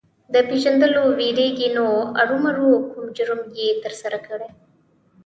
د پېژندلو وېرېږي نو ارومرو کوم جرم یې ترسره کړی.